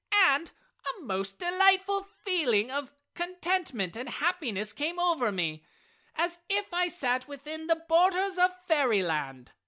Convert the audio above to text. And a most delightful feeling of contentment and happiness came over me as if I sat within the borders of Fairyland!